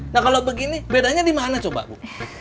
nah kalau begini bedanya di mana coba bu